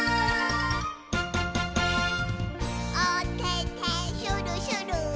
「おててしゅるしゅるっ」